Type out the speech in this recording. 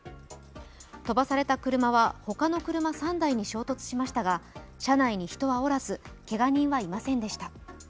飛ばされた車は他の車３台に衝突しましたが車内に人はおらず、けが人はいませんでした。